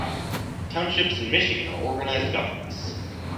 Townships in Michigan are organized governments.